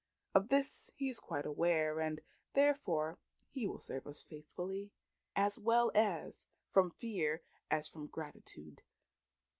Of this he is quite aware, and therefore he will serve us faithfully, as well from fear as from gratitude."